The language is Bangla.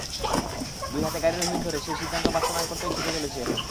দুই হাতে গাড়ির হুইল ধরে সেই সিদ্ধান্ত বাস্তবায়ন করতেই ছুটে চলেছি এখন।